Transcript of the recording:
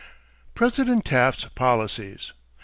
=President Taft's Policies.